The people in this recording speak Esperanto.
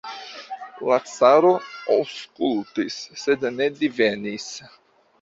La caro aŭskultis, sed ne divenis.